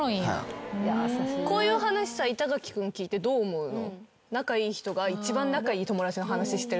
こういう話さ板垣君聞いてどう思うの？